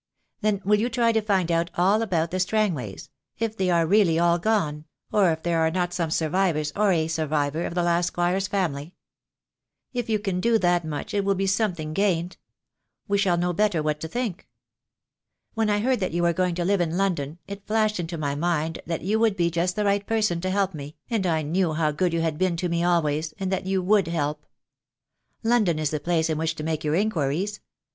"Then will you try to find out all about the Strang ways — if they are really all gone, or if there are not some survivors, or a survivor, of the last squire's family? If you can do that much it will be something gained. We shall know better what to think. When I heard that you were going to live in London, it flashed into my mind that you would be just the right person to help me, and I knew how good you had been to me always, and that you would help. London is the place in which to make your inquiries.